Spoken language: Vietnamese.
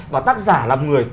và tác giả là một người